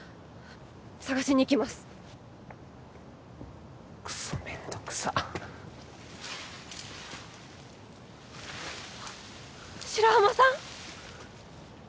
捜しに行きますクソめんどくさっ白浜さん！？